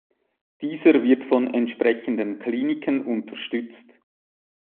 Dieser wird von entsprechenden Kliniken unterstützt.